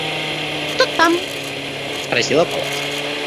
«Кто там?» – спросила Палаша.